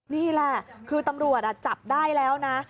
นี่แหละคือตำรวจจับได้แล้วนะ